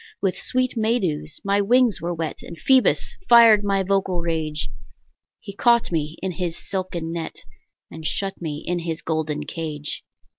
With sweet May dews my wings were wet, And Phoebus fired my vocal rage; He caught me in his silken net, And shut me in his golden cage.